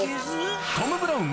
「トム・ブラウン」